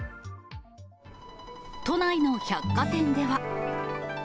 都内の百貨店では。